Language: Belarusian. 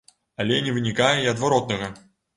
Але не вынікае і адваротнага.